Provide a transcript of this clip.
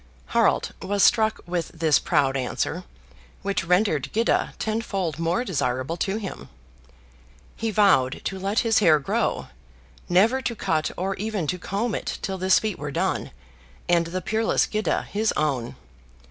Harald was struck with this proud answer, which rendered Gyda tenfold more desirable to him. He vowed to let his hair grow, never to cut or even to comb it till this feat were done, and the peerless Gyda his own.